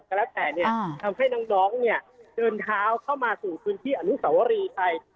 ก็แล้วแต่เนี่ยทำให้น้องเนี่ยเดินเท้าเข้ามาสู่พื้นที่อนุสาวรีไทย